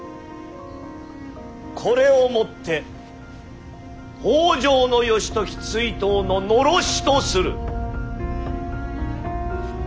これをもって北条義時追討の狼煙とする。